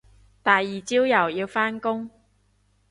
第二朝又要返工